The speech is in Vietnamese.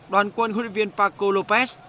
đoàn quân huấn luyện viên paco lopez